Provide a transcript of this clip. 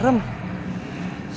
sabon jadi apa sih